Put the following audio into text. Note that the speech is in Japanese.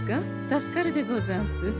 助かるでござんす。